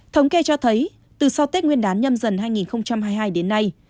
thống kê cho thấy từ sau tết nguyên đán nhâm dần hai nghìn hai mươi hai đến nay